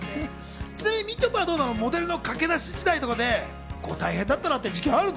ちなみに、みちょぱはモデルのかけだし時代とかで大変だったなって時期あるの？